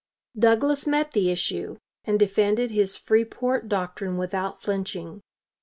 Douglas met the issue, and defended his Freeport doctrine without flinching.